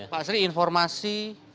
pak sri informasi